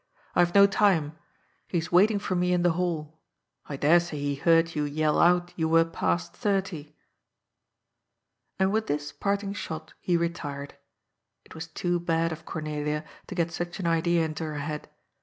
^ IVe no time. He's waiting for me in the hall. I dare say he heard you yell out you were past thirty." And with this parting shot he retired. It was too bad of Cornelia to get such an idea into her head.